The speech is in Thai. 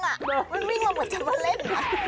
มันวิ่งออกเหมือนจะมาเล่น